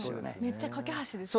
めっちゃ懸け橋ですね。